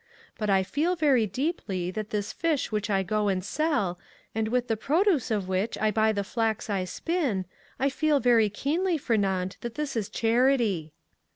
But I feel very deeply that this fish which I go and sell, and with the produce of which I buy the flax I spin,—I feel very keenly, Fernand, that this is charity."